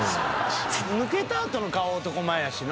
抜けた後の顔男前やしな。